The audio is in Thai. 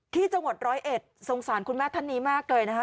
ที่จังหวัดร้อยเอ็ดสงสารคุณแม่ท่านนี้มากเลยนะคะ